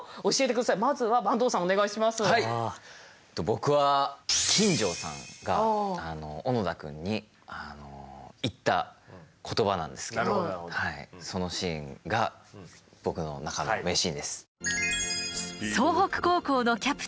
僕は金城さんが小野田くんに言った言葉なんですけどそのシーンが僕の中の名シーンです。